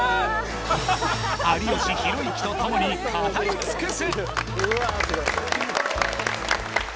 有吉弘行と共に語り尽くす。